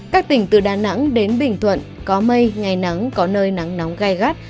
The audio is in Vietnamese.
các tỉnh từ đà nẵng đến bình thuận có mây ngày nắng có nơi nắng nóng gai gắt